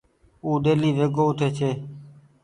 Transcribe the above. او ڊيلي ويگو اُٺي ڇي۔